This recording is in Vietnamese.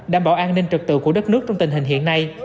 đảm bảo an ninh trực tự của đất nước trong tình hình hiện nay